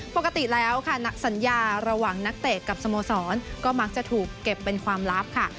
ปกติแล้วค่ะสัญญาระหว่างนักเตะกับสโมสรก็มักจะถูกเก็บเป็นความลับค่ะ